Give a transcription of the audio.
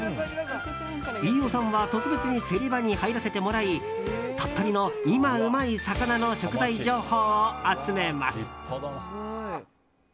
飯尾さんは特別にセリ場に入らせてもらい鳥取の今うまい魚の食材情報を集めます。